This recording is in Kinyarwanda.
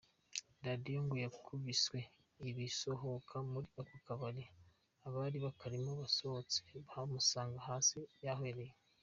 Radio ngo yakubiswe agisohoka muri ako kabari, abari bakarimo basohotse bamusanga hasi yahwereye.